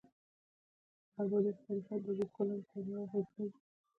دغه څنګلونه په اقتصادي او سوداګریز ارزښت سربېره.